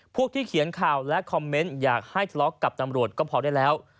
พวกที่เขียนข่าวและคอมเมนต์อยากให้ทะเลาะกับตำรวจก็พอได้แล้ว